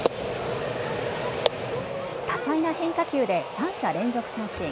多彩な変化球で３者連続三振。